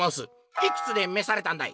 「いくつでめされたんだい？」。